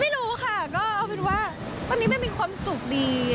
ไม่รู้ค่ะก็เอาเป็นว่าตอนนี้มันมีความสุขดี